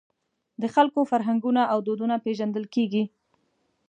د خلکو فرهنګونه او دودونه پېژندل کېږي.